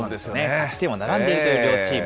勝ち点は並んでいるという両チーム。